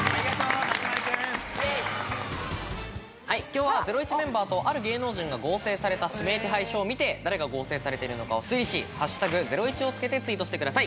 今日は『ゼロイチ』メンバーとある芸能人が合成された指名手配書を見て誰が合成されているのかを推理し「＃ゼロイチ」をつけてツイートしてください。